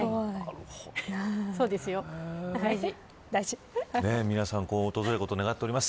そうですよ、大事皆さん、幸運が訪れることを願っています。